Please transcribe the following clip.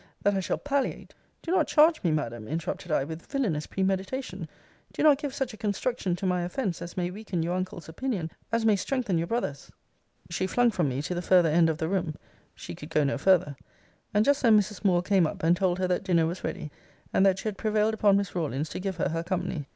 That I shall palliate Do not charge me, Madam, interrupted I, with villainous premeditation! Do not give such a construction to my offence as may weaken your uncle's opinion as may strengthen your brother's She flung from me to the further end of the room, [she could go no further,] and just then Mrs. Moore came up, and told her that dinner was ready, and that she had prevailed upon Miss Rawlins to give her her company.